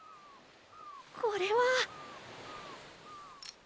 これは。